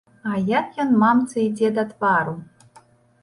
А як ён мамцы ідзе да твару!